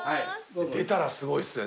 出たらすごいっすね。